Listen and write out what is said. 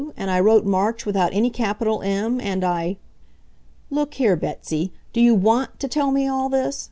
and I wrote March without any capital M, and I ..." "Look here, Betsy, do you WANT to tell me all this?"